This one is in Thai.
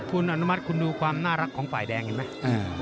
คุณอนุมัติคุณดูความน่ารักของฝ่ายแดงเห็นไหม